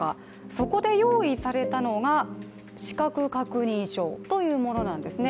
そこで用意されたのが資格確認書というものなんですね。